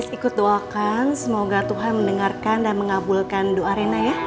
ikut doakan semoga tuhan mendengarkan dan mengabulkan doa arena ya